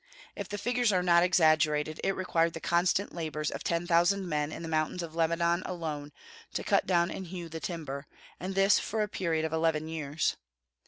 If the figures are not exaggerated, it required the constant labors of ten thousand men in the mountains of Lebanon alone to cut down and hew the timber, and this for a period of eleven years.